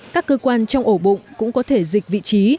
các cơ quan trong ổ bụng cũng có thể dịch vị trí